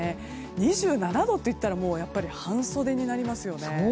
２７度といったら半袖になりますよね。